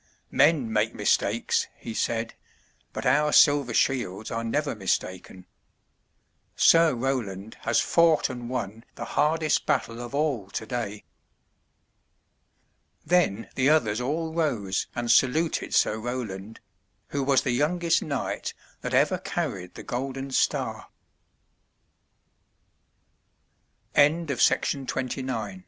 "Men make mistakes," he said, "but our silver shields are never mistaken. Sir Roland has fought and won the hardest battle of all today." Then the others all rose and saluted Sir Roland, who was the youngest knight that ever carried the